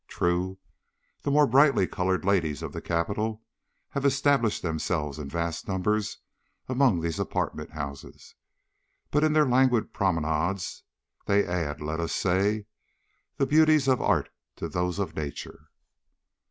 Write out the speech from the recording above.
True, the more brightly colored ladies of the capital have established themselves in vast numbers among these apartment houses, but in their languid promenades they add let us say the beauties of art to those of nature.